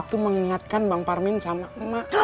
itu mengingatkan bang parmin sama emak